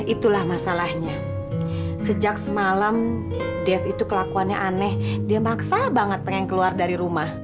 itulah masalahnya sejak semalam dev itu kelakuannya aneh dia maksa banget pengen keluar dari rumah